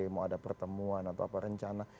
mau ada pertemuan atau apa rencana